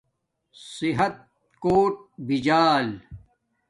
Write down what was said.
صحت کوٹ بجال